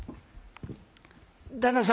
旦那様」。